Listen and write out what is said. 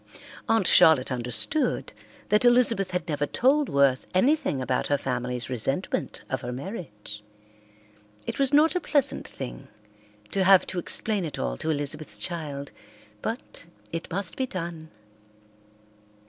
Aunt Charlotte understood that Elizabeth had never told Worth anything about her family's resentment of her marriage. It was not a pleasant thing to have to explain it all to Elizabeth's child, but it must be done.